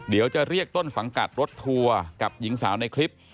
เดี๋ยวจะเรียกต้นสังกัดรถทัวร์กับหญิงสาวในคลิป